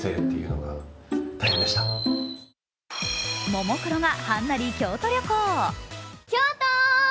ももクロがはんなり京都旅行。